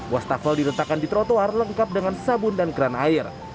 wastafel diletakkan di trotoar lengkap dengan sabun dan kran air